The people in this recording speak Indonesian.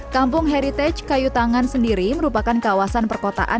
kampung heritage kayu tangan sendiri merupakan kawasan perkotaan